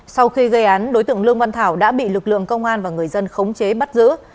sau khi gây án đối tượng lương văn thảo đã bị lực lượng công an và người dân khống chế bắt giữ